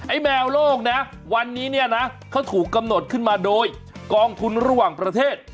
ไอ้แมวโลกนะวันนี้เขาถูกกำหนดขึ้นมาโดยกองทุนร่วงประเทศ